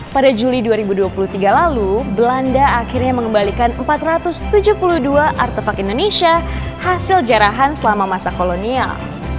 pada juli dua ribu dua puluh tiga lalu belanda akhirnya mengembalikan empat ratus tujuh puluh dua artefak indonesia hasil jarahan selama masa kolonial